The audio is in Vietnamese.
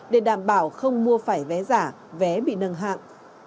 để đảm bảo không mua phải vé giả vé bị nâng hạng